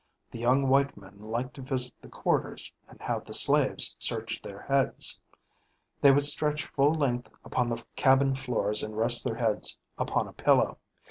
The young white men liked to visit the "quarters" and have the slaves search their heads. They would stretch full length upon the cabin floors and rest their heads upon a pillow.